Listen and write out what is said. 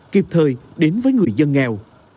kịp thời đến với người dân nghèo